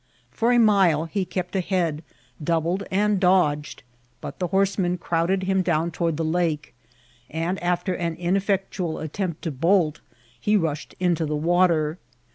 For a mile he kept ahead, doubled, and dodged, but the horsemen crowded him down toward the lake ; and, after an ineffectual at tempt to bolt, he rushed into the water.